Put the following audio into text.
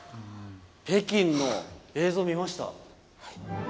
北京の、映像見ました！